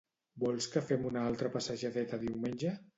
Vols que fem una altra passejadeta diumenge?